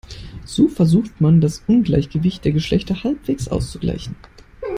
So versucht man, das Ungleichgewicht der Geschlechter halbwegs auszugleichen.